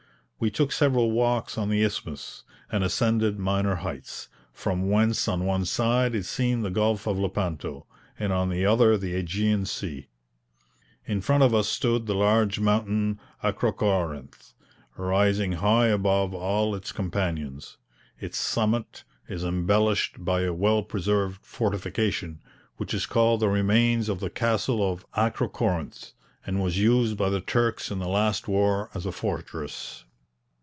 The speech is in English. We took several walks on the Isthmus, and ascended minor heights, from whence on one side is seen the gulf of Lepanto, and on the other the AEgean sea. In front of us stood the large mountain, Akrokorinth, rising high above all its companions. Its summit is embellished by a well preserved fortification, which is called the remains of the Castle of Akrokorinth, and was used by the Turks in the last war as a fortress.